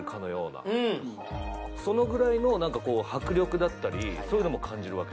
そのぐらいのなんかこうそういうのも感じるわけ。